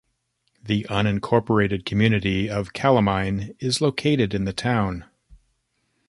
The unincorporated community of Calamine is located in the town.